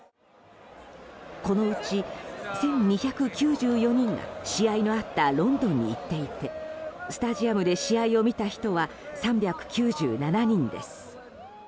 このうち１２９４人が試合のあったロンドンに行っていてスタジアムで試合を見た人は３９７人です。